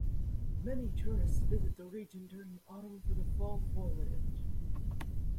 Many tourists visit the region during the autumn for the fall foliage.